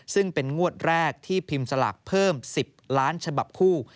ซึ่งเป็นงวดแรกที่พิมพ์สลากเพิ่ม๑๐ล้านฉบับคู่